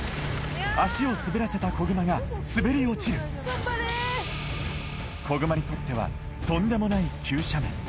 足を滑らせた子グマが滑り落ちる子グマにとってはとんでもない急斜面